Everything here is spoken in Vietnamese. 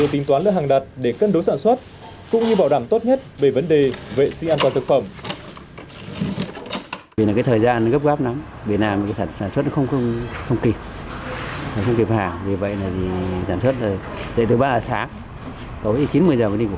tính toán lượng hàng đặt để cân đối sản xuất cũng như bảo đảm tốt nhất về vấn đề vệ sinh an toàn thực phẩm